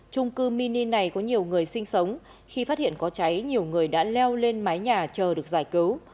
trung cư mini này có nhiều người sinh sống khi phát hiện có cháy nhiều người đã leo lên mái nhà chờ được giải cứu